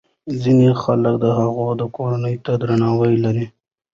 ځینې خلک د هغه کورنۍ ته درناوی لري.